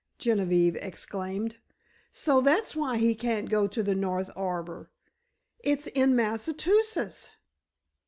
Genevieve exclaimed. "So that's why he can't go to the north arbor—it's in Massachusetts!"